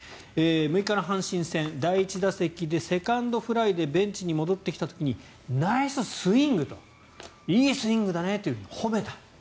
その村上さんに対して大谷選手が、６日の阪神戦第１打席でセカンドフライでベンチに戻ってきた時にナイススイング！といいスイングだねと褒めた。